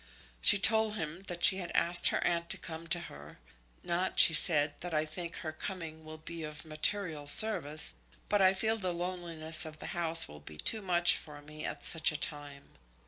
She told him that she had asked her aunt to come to her; "not," she said, "that I think her coming will be of material service, but I feel the loneliness of the house will be too much for me at such a time.